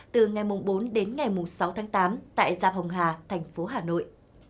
từ ngày bốn đến ngày sáu tháng tám tại giam hồng hà thành phố hà nội